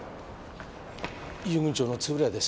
遊軍長の円谷です。